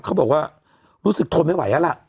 เขาบอกว่ารู้สึกทนไม่ไหวแล้วล่ะ